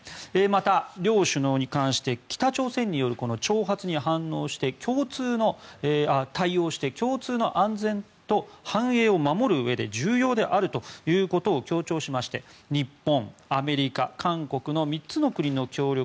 また、両首脳に関して北朝鮮による挑発に対応して共通の安全と繁栄を守るうえで重要であるということを強調しまして日本、アメリカ、韓国の３つの国の協力